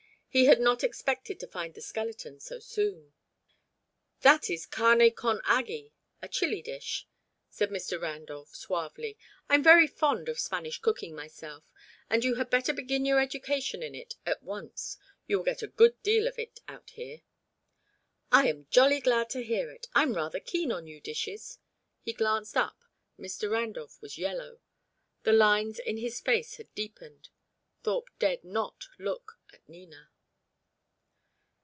He had not expected to find the skeleton so soon. "That is carne con agi, a Chile dish," said Mr. Randolph, suavely. "I'm very fond of Spanish cooking, myself, and you had better begin your education in it at once: you will get a good deal out here." "I am jolly glad to hear it. I'm rather keen on new dishes." He glanced up. Mr. Randolph was yellow. The lines in his face had deepened. Thorpe dared not look at Nina.